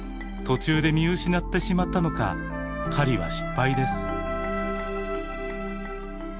途中で見失ってしまったのか狩りは失敗です。